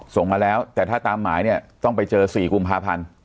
ส่งมาแล้วแต่ถ้าตามหมายเนี่ยต้องไปเจอ๔กุมภาพันธ์